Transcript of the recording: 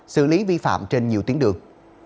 xử lý vi phạm trên nhiều tuyến đường